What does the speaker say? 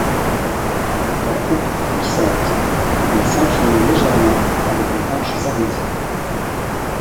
La croupe est puissante, mais s'incline légèrement avec des hanches arrondies.